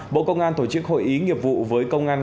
bộ công an tổ chức hội ý nghiệp vụ với công an